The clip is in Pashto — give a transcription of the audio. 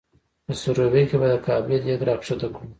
په سروبي کې به د قابلي دیګ را ښکته کړو؟